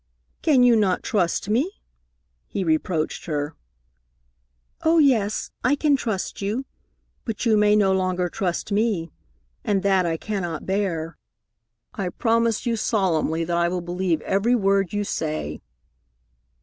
"Can you not trust me?" he reproached her. "Oh, yes, I can trust you, but you may no longer trust me, and that I cannot bear." "I promise you solemnly that I will believe every word you say."